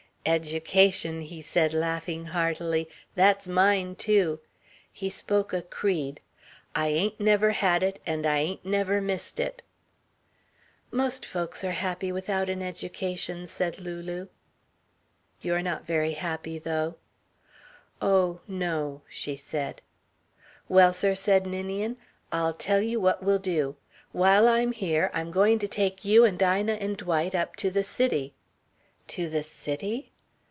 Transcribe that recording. "Education," he said laughing heartily. "That's mine, too." He spoke a creed. "I ain't never had it and I ain't never missed it." "Most folks are happy without an education," said Lulu. "You're not very happy, though." "Oh, no," she said. "Well, sir," said Ninian, "I'll tell you what we'll do. While I'm here I'm going to take you and Ina and Dwight up to the city." "To the city?"